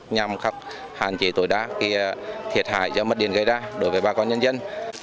nhằm khắc hạn chế tối đá thiệt hại do mất điện gây ra đối với bà con nhân dân